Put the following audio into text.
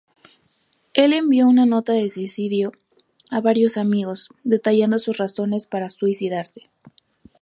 Él envió una nota de suicidio a varios amigos, detallando sus razones para suicidarse.